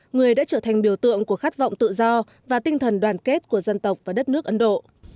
người đã trở thành biểu tượng của khát vọng tự do và tinh thần đoàn kết của dân tộc và đất nước ấn độ